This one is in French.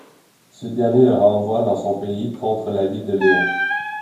Ce dernier le renvoie dans son pays contre l’avis de Léon.